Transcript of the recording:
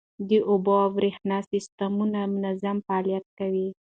د اوبو او بریښنا سیستمونه منظم فعالیت کوي.